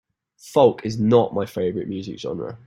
Folk is not my favorite music genre.